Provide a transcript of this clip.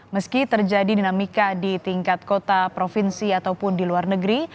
meski terjadi dinamika di tingkat kota provinsi ataupun di luar negeri